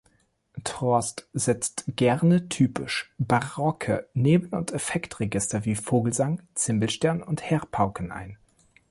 Trost setzt gerne typisch barocke Neben- und Effektregister wie Vogelsang, Zimbelstern und Heer-Pauken ein.